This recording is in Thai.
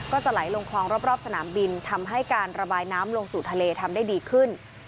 จะไหลลงคลองรอบสนามบินทำให้การระบายน้ำลงสู่ทะเลทำได้ดีขึ้น